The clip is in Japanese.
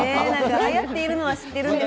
はやっているのは知っています。